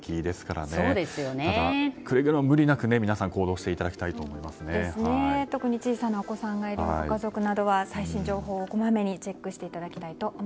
くれぐれも無理なく皆さん、行動していただきたいと特に小さなお子さんがいるご家族などは最新情報をこまめにチェックしてください。